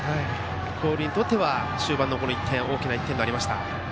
広陵にとっては終盤の大きな１点になりました。